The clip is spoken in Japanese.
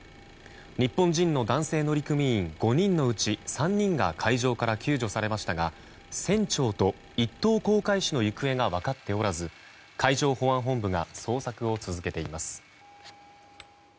日本人の男性乗組員５人のうち３人が海上から救助されましたが船長と１等航海士の行方が分かっておらず海上保安本部が捜索を続けています。